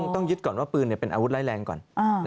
ต้องยึดก่อนว่าปืนเป็นอาวุธร้ายแรงก่อน